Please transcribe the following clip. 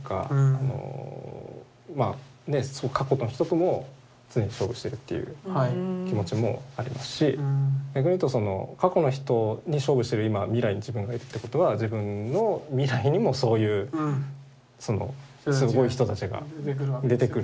あのまあ過去の人とも常に勝負してるっていう気持ちもありますし逆に言うとその過去の人に勝負してる今未来に自分がいるってことは自分の未来にもそういうすごい人たちが出てくるだろうと。